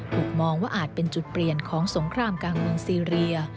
ถูกมองว่าอาจเป็นจุดเปลี่ยนของสงครามกลางเมืองซีเรีย